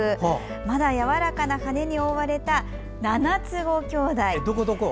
まだやわらかな羽に覆われた七つ子きょうだい。